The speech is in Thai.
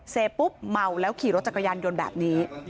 ปุ๊บเมาแล้วขี่รถจักรยานยนต์แบบนี้